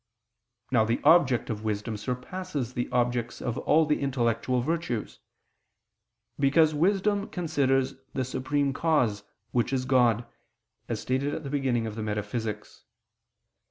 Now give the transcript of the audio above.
Now the object of wisdom surpasses the objects of all the intellectual virtues: because wisdom considers the Supreme Cause, which is God, as stated at the beginning of the _Metaphysics.